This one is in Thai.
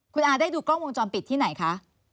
คุณอาได้ดูกล้องวงจรปิดที่ไหนคะ